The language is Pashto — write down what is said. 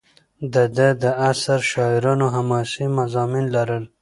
د ده د عصر شاعرانو حماسي مضامین لرل.